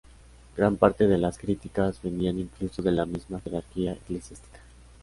Gran parte de las críticas venían incluso de la misma jerarquía eclesiástica.